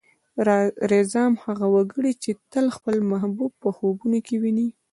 رځام: هغه وګړی چې تل خپل محبوب په خوبونو کې ويني.